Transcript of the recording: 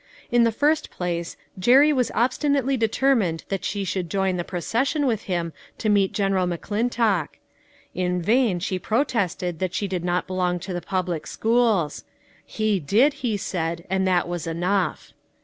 In the first place, Jerry was obstinately determined that she should join the procession with him to meet General McClintock. In vain she protested that she did not belong to the public schools. He did, he said, and that was enough.